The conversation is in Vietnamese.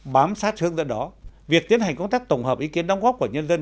bám sát hướng dẫn đó việc tiến hành công tác tổng hợp ý kiến đóng góp của nhân dân